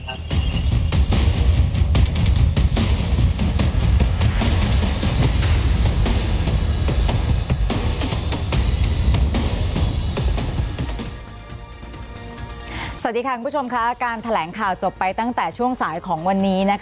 สวัสดีค่ะคุณผู้ชมค่ะการแถลงข่าวจบไปตั้งแต่ช่วงสายของวันนี้